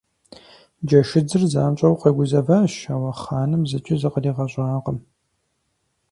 Джэшыдзыр занщӀэу къэгузэващ, ауэ хъаным зыкӀи зыкъригъэщӀакъым.